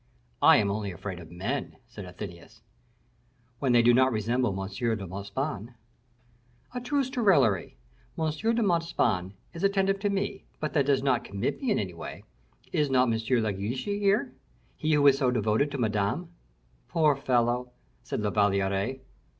"I am only afraid of men," said Athenais. "When they do not resemble M. de Montespan." "A truce to raillery. M. de Montespan is attentive to me, but that does not commit me in any way. Is not M. de Guiche here, he who is so devoted to Madame?" "Poor fellow!" said La Valliere.